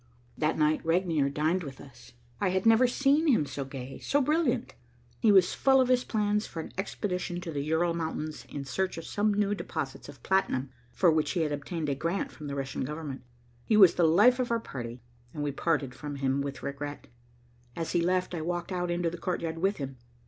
That night Regnier dined with us. I had never seen him so gay, so brilliant. He was full of his plans for an expedition to the Ural Mountains in search of some new deposits of platinum, for which he had obtained a grant from the Russian government. He was the life of our party, and we parted from him with regret. As he left, I walked out into the courtyard with him.